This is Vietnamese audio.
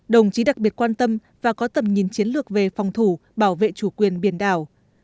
đồng chí đặc biệt quan tâm và có tầm nhìn chiến lược về phòng thủ bảo vệ chủ quyền biển đảo